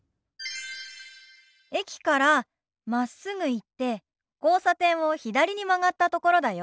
駅からまっすぐ行って交差点を左に曲がったところだよ。